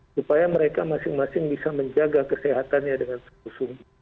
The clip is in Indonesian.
supaya mereka masing masing bisa menjaga kesehatannya dengan sepusung